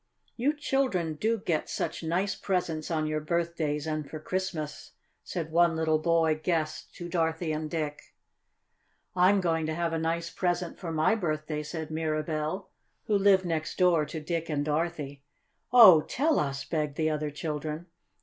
"You children do get such nice presents on your birthdays and for Christmas," said one little boy guest to Dorothy and Dick. "I'm going to have a nice present for my birthday," said Mirabell, who lived next door to Dick and Dorothy. "Oh, tell us!" begged the other children.